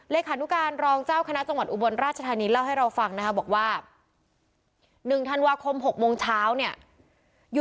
เลขานุการรองเจ้าคณะจังหวัดอุบลราชธานีเล่าให้เราฟังนะคะบอกว่า๑ธันวาคม๖โมงเช้าเนี่ยอยู่